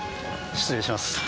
失礼します。